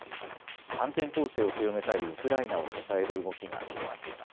反転攻勢を強めたいウクライナを支える動きが広がっています。